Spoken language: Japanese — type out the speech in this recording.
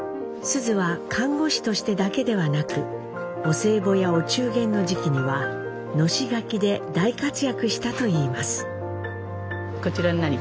須壽は看護師としてだけではなくお歳暮やお中元の時期にはのし書きで大活躍したといいます。